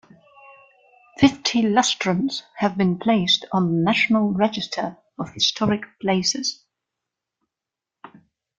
Fifty Lustrons have been placed on the National Register of Historic Places.